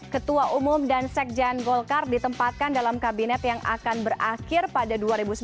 ketua umum dan sekjen golkar ditempatkan dalam kabinet yang akan berakhir pada dua ribu sembilan belas